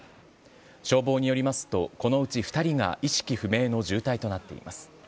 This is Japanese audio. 消防によりますと、このうち２人が意識不明の重体となっています。